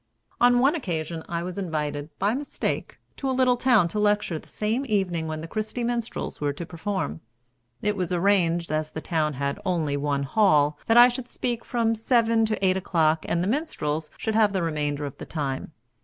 On one occasion I was invited, by mistake, to a little town to lecture the same evening when the Christy Minstrels were to perform. It was arranged, as the town had only one hall, that I should speak from seven to eight o'clock and the minstrels should have the remainder of the time.